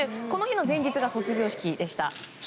この日の前日が卒業式でした。